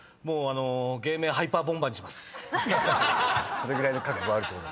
それぐらいの覚悟あるってこと？